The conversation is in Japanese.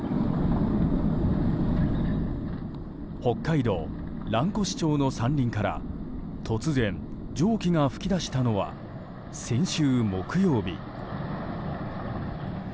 北海道蘭越町の山林から突然、蒸気が噴き出したのは先週木曜日。